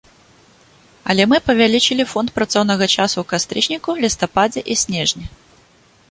Але мы павялічылі фонд працоўнага часу ў кастрычніку, лістападзе і снежні.